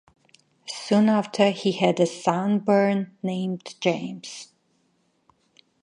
Soon after he had a son born named James.